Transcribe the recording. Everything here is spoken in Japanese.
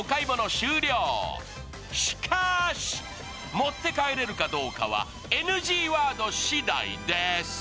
持って帰れるかどうかはＮＧワードしだいです。